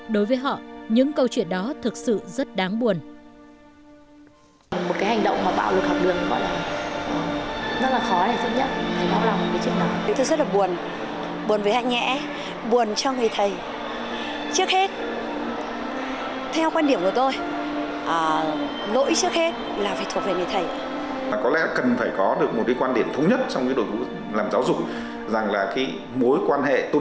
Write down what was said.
đối với họ những câu chuyện đó thực sự rất đáng buồn